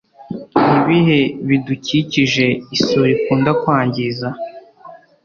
ni ibihe bidukikije isuri ikunda kwangiza?